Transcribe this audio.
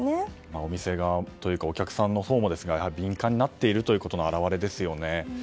お店側というかお客さんもそうですが敏感になっていることの表れですね。